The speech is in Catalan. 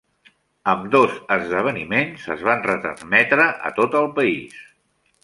Ambdós esdeveniments es van retransmetre a tot el país.